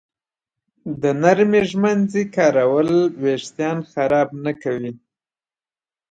د نرمې ږمنځې کارول وېښتان خراب نه کوي.